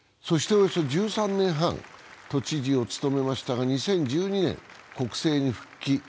そしておよそ１３年半都知事を務めましたが２０１２年、国政に復帰。